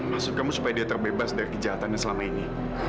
maksud kamu supaya dia terbebas dari kejahatannya selama ini